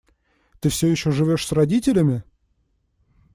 Ты все еще живешь с родителями?